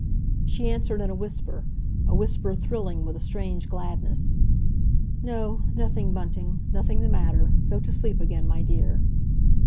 She answered in a whisper, a whisper thrilling with a strange gladness, "No, nothing, Bunting—nothing the matter! Go to sleep again, my dear."